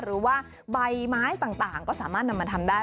หรือว่าใบไม้ต่างก็สามารถนำมาทำได้